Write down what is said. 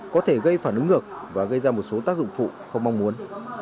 có thể gây phản ứng ngược và gây ra một số tác dụng phụ không mong muốn